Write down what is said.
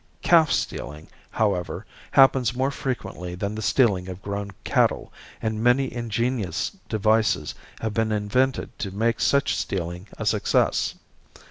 Calf stealing, however, happens more frequently than the stealing of grown cattle and many ingenious devices have been invented to make such stealing a success.